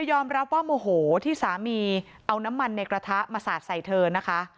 ยอมรับว่าโมโหที่สามีเอาน้ำมันในกระทะมาสาดใส่เธอนะคะ